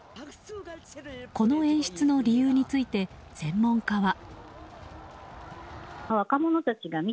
この演出の理由について専門家は。